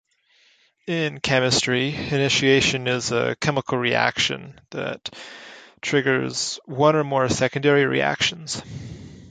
In chemistry, initiation is a chemical reaction that triggers one or more secondary reactions.